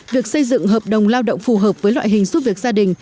việc xây dựng hợp đồng lao động phù hợp với loại hình giúp việc gia đình